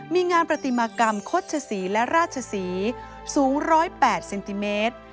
มีงานปฏิมากรรมคดชศรีและราชศรีสูง๑๐๘เซนติเมตร